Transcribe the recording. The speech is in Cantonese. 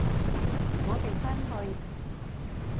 我哋返去！